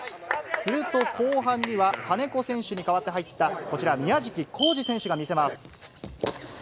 すると後半には、金子選手に代わって入ったこちら、宮食行次選手が見せます。